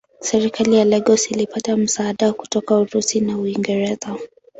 Serikali ya Lagos ilipata msaada kutoka Urusi na Uingereza.